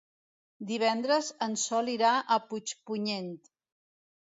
Divendres en Sol irà a Puigpunyent.